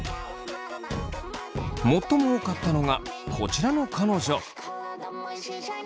最も多かったのがこちらの彼女。